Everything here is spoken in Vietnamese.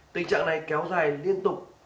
tình trạng này kéo dài liên tục